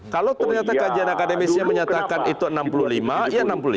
kalau ternyata kajian akademisnya menyatakan itu enam puluh lima ya enam puluh lima